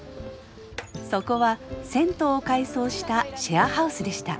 そこは銭湯を改装したシェアハウスでした。